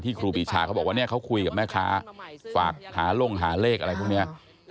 ครูปีชาเขาบอกว่าเขาคุยกับแม่ค้าฝากหาลงหาเลขอะไรพวกนี้